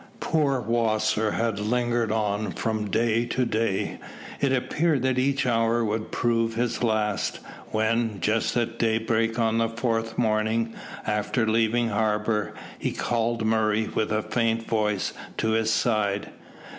Poor Wasser had lingered on from day to day, it appearing that each hour would prove his last, when, just at daybreak on the fourth morning, after leaving harbour, he called Murray, with a faint voice, to his side.